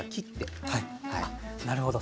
あなるほど。